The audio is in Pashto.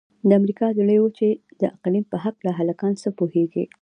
د امریکا د لویې وچې د اقلیم په هلکه څه پوهیږئ؟